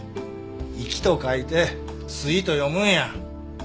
「粋」と書いて「すい」と読むんや。